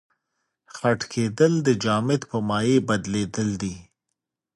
خټکېدل د جامد په مایع بدلیدل دي.